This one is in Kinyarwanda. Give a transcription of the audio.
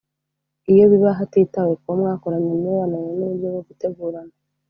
Iyo biba hatitawe ku wo mwakoranye imibonano n’uburyo bwo gutegurana